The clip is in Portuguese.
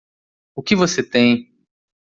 O que você tem?